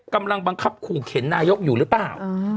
กำลังบังคับขู่เข็นนายกอยู่หรือเปล่า